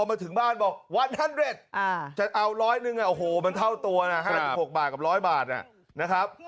มาถึงบ้านบอกวัตร๑๐๐อ่าเอาร้อยหนึ่งแล้วโหมันเท่าตัวนะฮะ